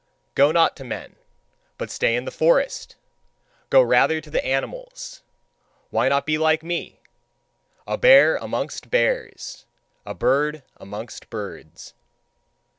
Go not to men, but stay in the forest! Go rather to the animals! Why not be like me a bear amongst bears, a bird amongst birds?"